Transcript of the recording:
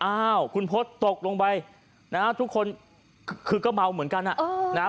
อ้าวคุณพศตกลงไปนะฮะทุกคนคือก็เมาเหมือนกันอ่ะนะฮะ